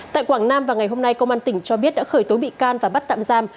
tại quảng nam vào ngày hôm nay công an tỉnh cho biết đã khởi tố bị can và bắt tạm giam